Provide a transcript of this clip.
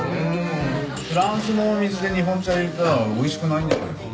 フランスの水で日本茶入れたらおいしくないんじゃないの？